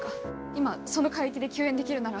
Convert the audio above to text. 今その海域で救援できるなら。